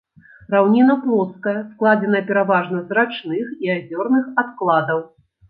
Раўніна плоская, складзеная пераважна з рачных і азёрных адкладаў.